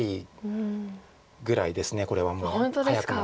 これはもう早くも。